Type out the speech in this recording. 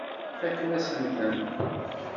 Fakken-asen-ten.